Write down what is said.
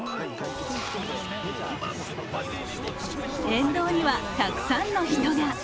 沿道にはたくさんの人が。